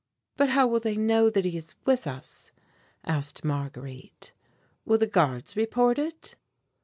"But how will they know that he is with us?" asked Marguerite. "Will the guards report it?"